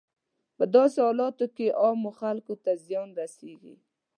په داسې حالاتو کې عامو خلکو ته زیان رسیږي.